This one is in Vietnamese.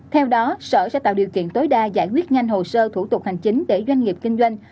theo đó sở sẽ tạo điều kiện tối đa giải quyết nhanh hồ sơ thủ tục hành chính để doanh nghiệp kinh doanh